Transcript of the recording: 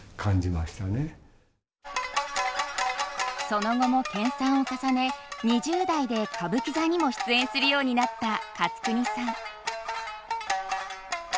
その後も研鑽を重ね２０代で歌舞伎座にも出演するようになった勝国さん。